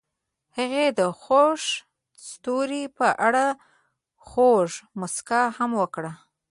هغې د خوښ ستوري په اړه خوږه موسکا هم وکړه.